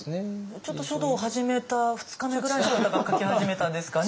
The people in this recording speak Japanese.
ちょっと書道を始めた２日目ぐらいの方が書き始めたんですかね。